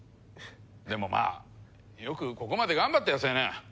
でもまあよくここまで頑張ったよ青年。